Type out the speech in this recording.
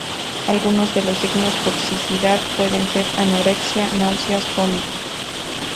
Algunos de los signos de toxicidad pueden ser anorexia, náuseas, vómitos.